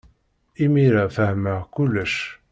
Imir-a, fehmeɣ kullec.